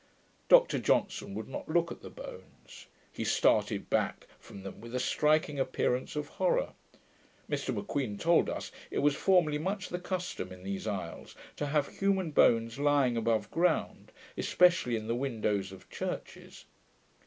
Dr Johnson would not look at the bones. He started back from them with a striking appearance of horrour. Mr M'Queen told us, it was formerly much the custom, in these isles, to have human bones lying above ground, especially in the windows of churches.